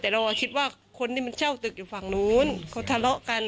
แต่เราคิดว่าคนที่มันเช่าตึกอยู่ฝั่งนู้นเขาทะเลาะกัน